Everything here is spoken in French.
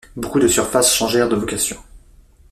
Beaucoup de surfaces changèrent de vocation.